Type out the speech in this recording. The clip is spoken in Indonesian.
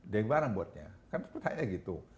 dan bagaimana buatnya kan sepertinya gitu